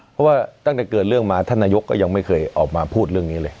เพราะว่าตั้งแต่เกิดเรื่องมาท่านนายกก็ยังไม่เคยออกมาพูดเรื่องนี้เลย